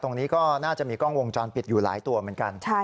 ตรงนี้ก็น่าจะมีกล้องวงจรปิดอยู่หลายตัวเหมือนกัน